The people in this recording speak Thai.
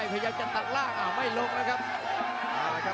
ประเภทมัยยังอย่างปักส่วนขวา